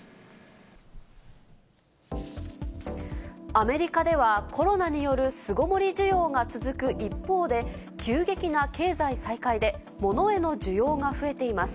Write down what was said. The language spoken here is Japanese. アメリカではコロナによる巣ごもり需要が続く一方で、急激な経済再開で、物への需要が増えています。